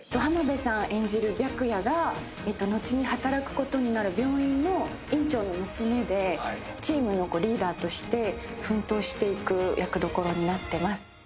浜辺さん演じる白夜が後に働くことになる病院の院長の娘でチームのリーダーとして奮闘していく役どころになってます。